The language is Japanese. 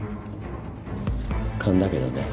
勘だけどね。